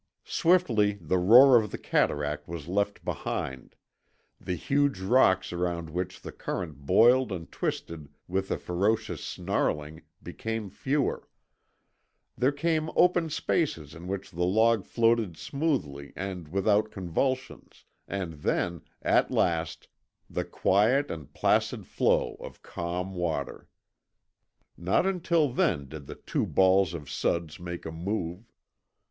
Swiftly the roar of the cataract was left behind; the huge rocks around which the current boiled and twisted with a ferocious snarling became fewer; there came open spaces in which the log floated smoothly and without convulsions, and then, at last, the quiet and placid flow of calm water. Not until then did the two balls of suds make a move.